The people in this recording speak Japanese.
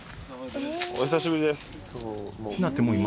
お久しぶりです。